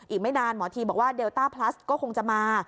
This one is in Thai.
อีกไม่นานหมอทีบอกว่าเดลต้าพลัสก็คงจะมา